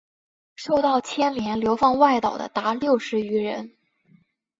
受到牵连流放外岛的达六十余人。